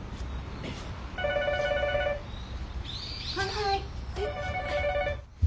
☎はい。